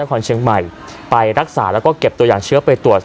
คนเชียงใหม่ไปรักษาแล้วก็เก็บตัวอย่างเชื้อไปตรวจ